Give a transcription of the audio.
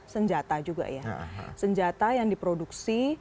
senjata juga ya senjata yang diproduksi